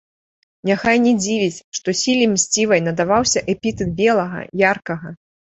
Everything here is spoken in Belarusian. Няхай не дзівіць, што сіле мсцівай надаваўся эпітэт белага, яркага.